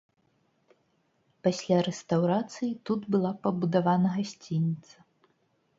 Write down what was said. Пасля рэстаўрацыі тут была пабудавана гасцініца.